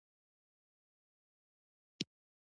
دا دوا راکه.